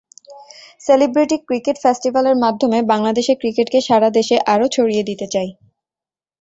Celebrity cricket ফেস্টিভ্যালের মাধ্যমে বাংলাদেশের ক্রিকেটকে সারা দেশে আরও ছড়িয়ে দিতে চাই।